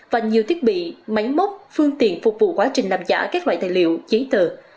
và nhiều thiết bị máy móc phương tiện phục vụ quá trình làm giả các loại tài liệu giấy tờ